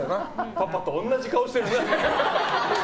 パパと同じ顔してるな。